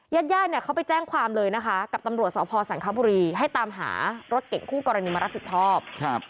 ญาติญาติเนี่ยเขาไปแจ้งความเลยนะคะกับตำรวจสพสังคบุรีให้ตามหารถเก่งคู่กรณีมารับผิดชอบ